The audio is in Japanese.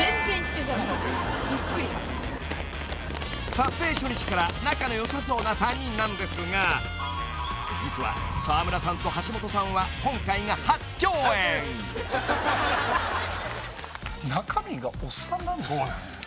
［撮影初日から仲の良さそうな３人なんですが実は沢村さんと橋本さんは今回が初共演］えっ？